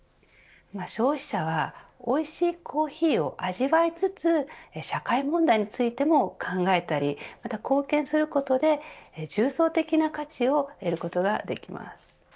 消費者はおいしいコーヒーを味わいつつ社会問題についても考えたり貢献することで重層的な価値を得ることができます。